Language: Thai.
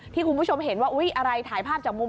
คุณผู้ชมเห็นว่าอุ๊ยอะไรถ่ายภาพจากมุม